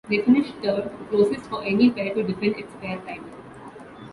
They finished third, the closest for any pair to defend its Pairs title.